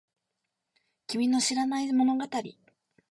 君の知らない物語